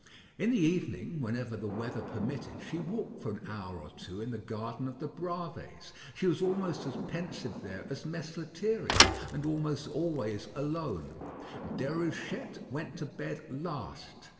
In the evening, whenever the weather permitted, she walked for an hour or two in the garden of the Bravées. She was almost as pensive there as Mess Lethierry, and almost always alone. Déruchette went to bed last.